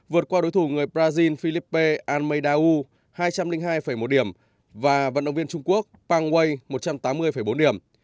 vượt qua đối thủ người brazil filipe almeidaú hai trăm linh hai một điểm và vận động viên trung quốc pang wei một trăm tám mươi bốn điểm